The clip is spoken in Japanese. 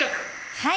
はい。